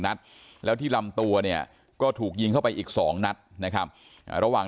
นัดแล้วที่ลำตัวเนี่ยก็ถูกยิงเข้าไปอีก๒นัดนะครับระหว่าง